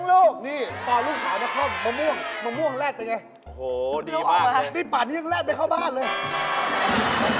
โอ้โฮดีมากเลยนะครับนี่ปากนี้ยังแลกไปเข้าบ้านเลย